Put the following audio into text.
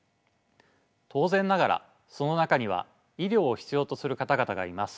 当然ながらその中には医療を必要とする方々がいます。